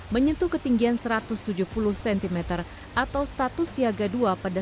menyentuh ketinggian satu ratus tujuh puluh cm atau status siaga dua pada